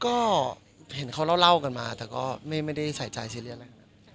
ก็เห็นเค้าร่อเล่ากันมาแต่ก็ไม่ได้ใส่ใจซีเรียสอะไร